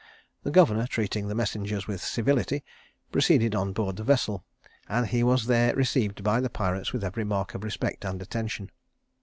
The governor treating the messengers with civility, proceeded on board the vessel, and he was there received by the pirates with every mark of respect and attention.